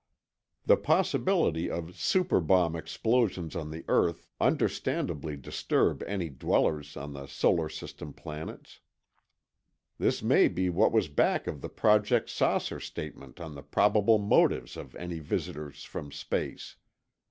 The possibility of super bomb explosions on the earth understandably disturb any dwellers on other solar system planets. This may be what was back of the Project "Saucer" statement on the probable motives of any visitors from space.